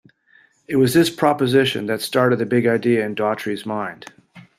It was this proposition that started the big idea in Daughtry's mind.